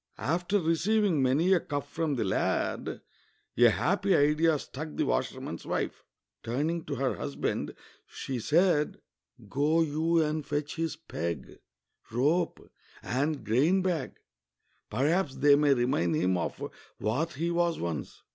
After receiving many a cuff from the lad, a happy idea struck the washerman's wife: turning to her husband she said, " Go you and fetch his peg, rope, and grain bag; perhaps they may remind him of what he was once."